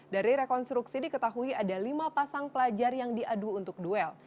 dari rekonstruksi diketahui ada lima pasang pelajar yang diadu untuk duel